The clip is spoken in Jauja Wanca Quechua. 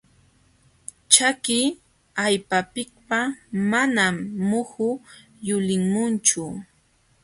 Chaki allpapiqa manam muhu yulimunchu.